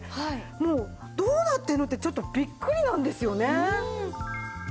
もうどうなってんの？ってちょっとビックリなんですよね。